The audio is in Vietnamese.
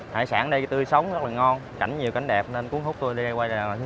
hải sản ở đây tươi sống rất là ngon cảnh nhiều cảnh đẹp nên cuốn hút tôi đi quay lại là lần thứ hai